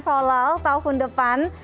solal tahun depan